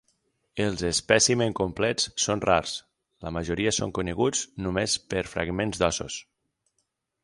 Els espècimens complets són rars; la majoria són coneguts només per fragments d'ossos.